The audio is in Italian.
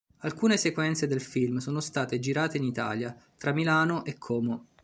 Alcune sequenze del film sono state girate in Italia, tra Milano e Como.